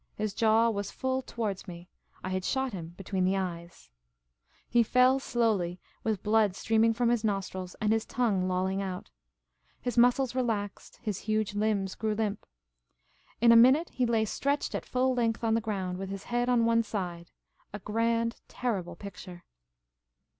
His jaw was full towards me ; I had shot him between the The Magnificent Maharajah 257 eyes. He fell, slowly, with blood streaming from his nostrils, and his tongue lolling out. His muscles relaxed ; his huge limbs grew limp. In a minute, he lay stretched at full length on the ground, with his head on one side, a grand, terrible picture.